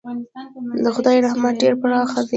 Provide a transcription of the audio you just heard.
د خدای رحمت ډېر پراخه دی.